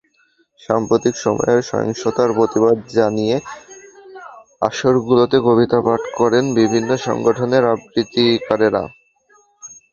সাম্প্রতিক সময়ের সহিংসতার প্রতিবাদ জানিয়ে আসরগুলোতে কবিতা পাঠ করেন বিভিন্ন সংগঠনের আবৃত্তিকারেরা।